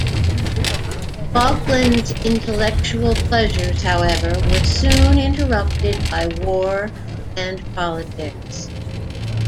Falkland's intellectual pleasures, however, were soon interrupted by war and politics.